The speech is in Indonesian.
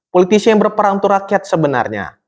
politisi yang berperang untuk rakyat sebenarnya